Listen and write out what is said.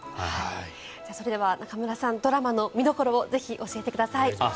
それでは中村さんドラマの見どころを教えてください。